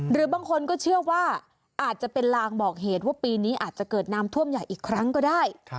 หรือบางคนก็เชื่อว่าอาจจะเป็นลางบอกเหตุว่าปีนี้อาจจะเกิดน้ำท่วมใหญ่อีกครั้งก็ได้